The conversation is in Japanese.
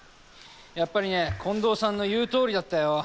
やっぱりね近藤さんの言うとおりだったよ。